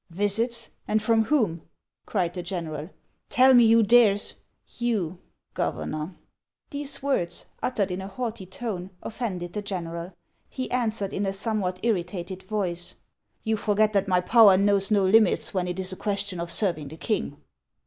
" Visits ! and from whom ?" cried the general ;" tell me who dares —"" You, Governor." These words, uttered in a haughtv tone, offended the o i/ general. He answered, in a somewhat irritated voice :" You forget that my power knows no limits when it is a question of serving the king."